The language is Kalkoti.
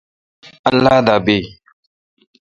اللہ دا بیی۔